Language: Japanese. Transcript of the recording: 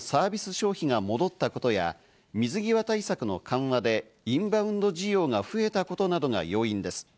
消費が戻ったことや、水際対策の緩和でインバウンド需要が増えたことなどが要因です。